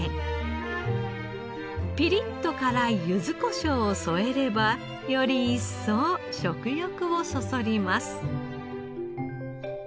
ピリッと辛いゆず胡椒を添えればより一層食欲をそそります。